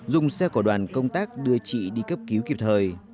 dùng xe của đoàn công tác đưa chị đi cấp cứu kịp thời